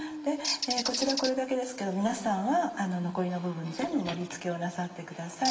こちらこれだけですけど皆さんは残りの部分全部盛り付けをなさってください。